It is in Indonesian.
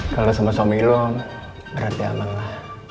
kalau sama suami lo berarti aman lah